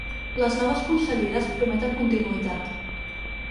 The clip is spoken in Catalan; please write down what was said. Les noves conselleres prometen ‘continuïtat’